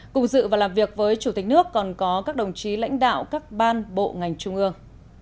cùng dự và làm việc với chủ tịch nước còn có các đồng chí lãnh đạo các ban bộ ngành trung ương